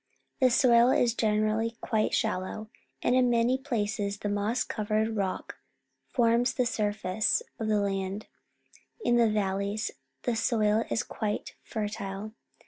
The soil is generally quite shallow, and in many places the moss covered rock forms the surface of the land. In the valleys the soil is quite fertile.